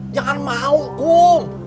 jangan mau kum